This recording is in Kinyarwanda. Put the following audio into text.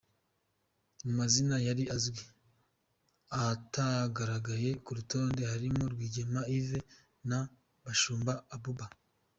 Mu mazina yari azwi atagaragaye ku rutonde harimo Rwigema Yves na Bashunga Abuba .